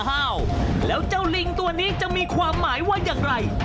ห้าวแล้วเจ้าลิงตัวนี้จะมีความหมายว่าอย่างไร